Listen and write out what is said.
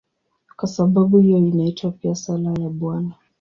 Kwa sababu hiyo inaitwa pia "Sala ya Bwana".